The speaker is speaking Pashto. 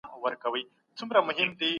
حضوري ټولګي د ټولګي نظم ساتلی دی.